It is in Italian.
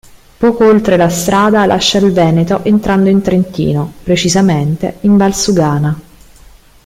Poco oltre la strada lascia il Veneto entrando in Trentino, precisamente in Valsugana.